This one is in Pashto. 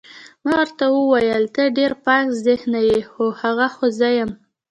ما ورته وویل ته ډېر پاک ذهنه یې، هو، هغه خو زه یم.